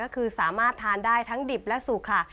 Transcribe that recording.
ก็คือสามารถทานได้ทั้งดิบและสุกค่ะ